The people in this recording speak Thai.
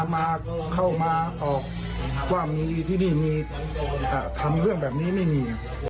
มาเข้ามาออกว่ามีที่นี่มีทำเรื่องแบบนี้ไม่มี